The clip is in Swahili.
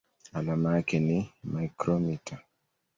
Alama yake ni µm.